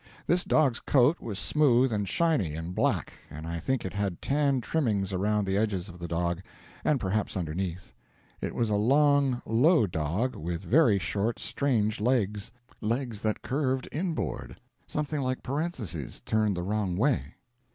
This dog's coat was smooth and shiny and black, and I think it had tan trimmings around the edges of the dog, and perhaps underneath. It was a long, low dog, with very short, strange legs legs that curved inboard, something like parentheses turned the wrong way